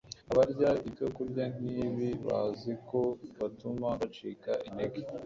Abarya ibyokurya nk’ibi bazi ko bituma bacika intege.